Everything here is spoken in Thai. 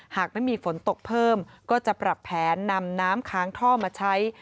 หากไม่มีฝนตกเพิ่มก็จะปรับแผนนำน้ำค้างท่อมาใช้